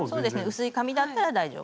薄い紙だったら大丈夫。